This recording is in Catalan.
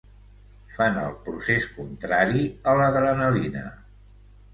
Fa el procés contrari a l’adrenalina.